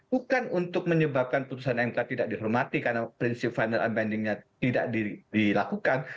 bukan untuk menyebabkan putusan mk tidak dihormati karena prinsip final and bandingnya tidak dilakukan